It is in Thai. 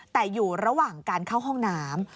แต่อยู่ระหว่างการเข้าห้องน้ำ